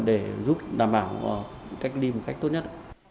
để giúp đảm bảo cách ly một cách tốt nhất